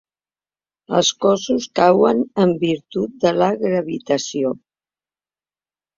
Els cossos cauen en virtut de la gravitació.